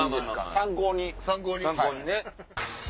参考にね。